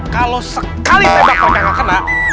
kalo sekali tembak mereka gak kena